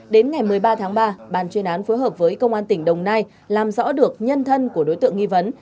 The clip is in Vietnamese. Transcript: đến ngày một mươi ba tháng ba bàn chuyên án phối hợp với công an tỉnh đồng nai làm rõ được nhân thân của đối tượng nghi vấn